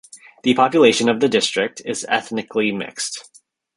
The population of the district is ethnically mixed.